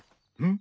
ん！